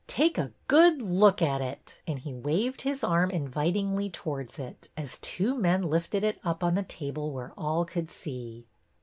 Take a good look at it" and he waved his arm invitingly towards it, as two men lifted it up on the table where all could see.